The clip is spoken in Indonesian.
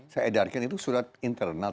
saya edarkan itu surat internal